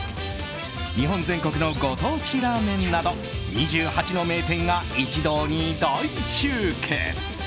日本全国のご当地ラーメンなど２８の名店が一堂に大集結。